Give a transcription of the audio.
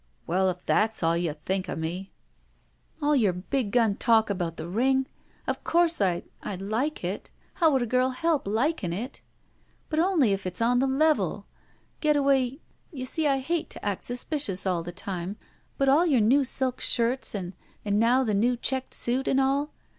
"Well, if that's all you think of 119 IStTiUglil/i" f" THE VERTICAL CITY "All your big gun talk about the ring. Of course I — ^I'dlikeit. How could a girl help liking it ? But only if it's on the level. Getaway — you see, I hate to act suspicious all the time, but all your new silk shirts and now the new checked suit and all.